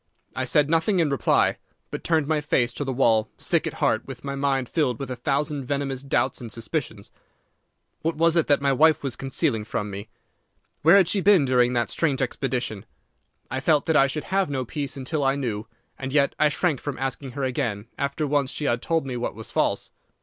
I said nothing in reply, but turned my face to the wall, sick at heart, with my mind filled with a thousand venomous doubts and suspicions. What was it that my wife was concealing from me? Where had she been during that strange expedition? I felt that I should have no peace until I knew, and yet I shrank from asking her again after once she had told me what was false.